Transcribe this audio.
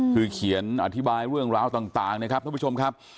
คือเขียนอธิบายเรื่องราวต่างนะครับท่านผู้ชมครับ